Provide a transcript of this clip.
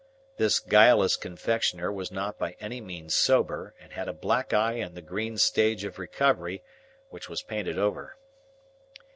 This guileless confectioner was not by any means sober, and had a black eye in the green stage of recovery, which was painted over.